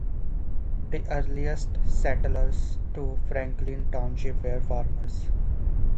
The earliest settlers to Franklin Township were farmers.